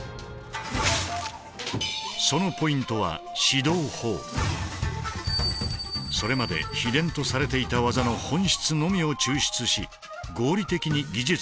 そのポイントはそれまで秘伝とされていた技の本質のみを抽出し合理的に技術を指導。